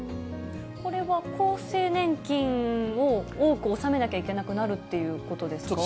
これは厚生年金を多く納めなきゃいけなくなるっていうことですか？